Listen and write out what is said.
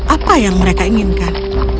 apa yang mereka inginkan